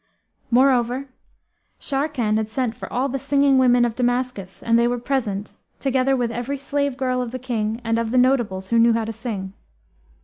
Moreover, Sharrkan had sent for all the singing women of Damascus and they were present, together with every slave girl of the King and of the notables who knew how to sing.